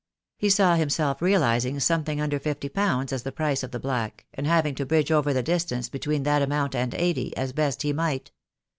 He saw himself realising something under fifty pounds as the price of the black, and having to bridge over the distance between that amount and eighty, as best he might.